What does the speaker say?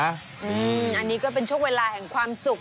อันนี้ก็เป็นช่วงเวลาแห่งความสุข